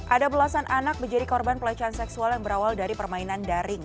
ada belasan anak menjadi korban pelecehan seksual yang berawal dari permainan daring